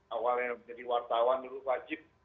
awalnya menjadi wartawan dulu wajib